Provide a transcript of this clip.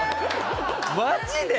マジで！？